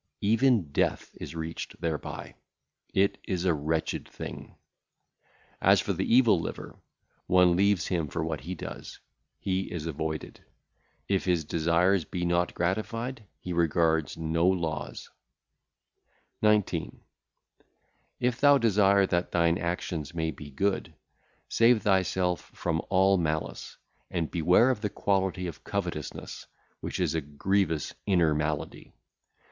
Even death is reached thereby; it is a wretched thing. As for the evil liver, one leaveth him for what he doeth, he is avoided. If his desires be not gratified, he regardeth (?) no laws. 19. If thou desire that thine actions may be good, save thyself from all malice, and beware of the quality of covetousness, which is a grievous inner (?) malady.